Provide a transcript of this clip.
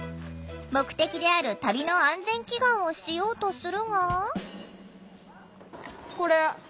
目的である旅の安全祈願をしようとするが。